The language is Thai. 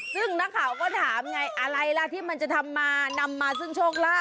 ซึ่งนักข่าวก็ถามไงอะไรล่ะที่มันจะทำมานำมาซึ่งโชคลาภ